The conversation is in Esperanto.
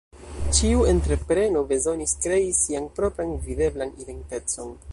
Ĉiu entrepreno bezonis krei sian propran videblan identecon.